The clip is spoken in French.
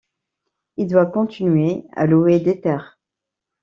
Il doit continuer à louer des terres.